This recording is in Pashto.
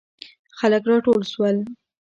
خلک راټول سول.